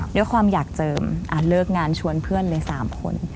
ด้วยความอยากเจิมเลิกงานชวนเพื่อนเลย๓คน